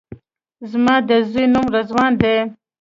زما د زوی نوم رضوان دی